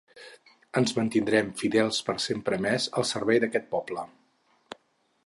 Ens mantindrem fidels per sempre més al servei d’aquest poble.